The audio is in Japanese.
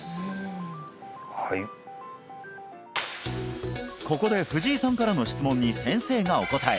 はいここで藤井さんからの質問に先生がお答え！